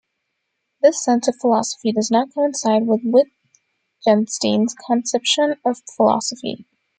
This sense of philosophy does not coincide with Wittgenstein's conception of philosophy.